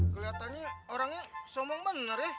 keliatannya orangnya sombong bener ya